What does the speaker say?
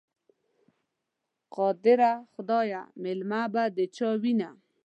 قادره خدایه، مېلمنه به د چا وینه؟